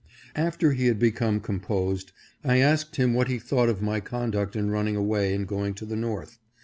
After he had become composed I asked him what he thought of my conduct in running away and going to the north.